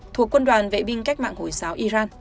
thuộc quân đoàn vệ binh cách mạng hồi giáo iran